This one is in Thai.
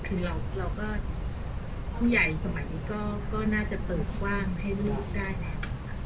คือเราก็ผู้ใหญ่สมัยนี้ก็น่าจะเปิดกว้างให้ลูกได้แล้ว